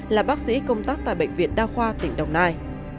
là bác sĩ công tác tại bệnh viện đa khoa tỉnh đồng nai